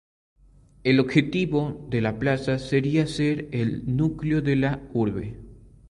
El objetivo de la plaza sería ser el núcleo de la urbe.